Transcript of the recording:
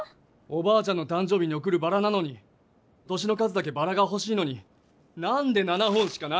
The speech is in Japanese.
おばあちゃんのたん生日におくるバラなのにとしの数だけバラがほしいのになんで７本しかないんだよ！